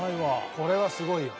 これはすごいよ。